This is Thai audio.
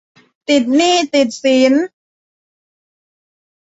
ติดหนี้ติดสิน